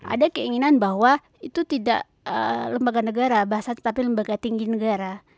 ada keinginan bahwa itu tidak lembaga negara tetapi lembaga tinggi negara